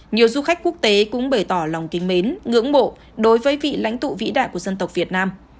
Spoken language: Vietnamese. nhiều du khách quốc tế cũng bày tỏ lòng kính mến ngưỡng mộ đối với vị lãnh tụ vĩ đại của dân tộc việt nam